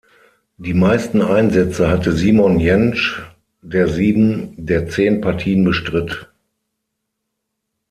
Die meisten Einsätze hatte Simon Jentzsch, der sieben der zehn Partien bestritt.